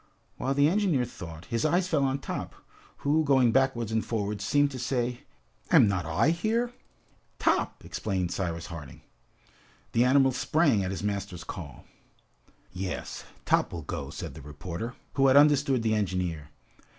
While the engineer thought, his eyes fell on Top, who, going backwards and forwards seemed to say, "Am not I here?" "Top!" exclaimed Cyrus Harding. The animal sprang at his master's call. "Yes, Top will go," said the reporter, who had understood the engineer.